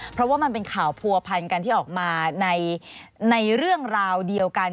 เพราะว่ามันเป็นข่าวผัวพันกันที่ออกมาในเรื่องราวเดียวกัน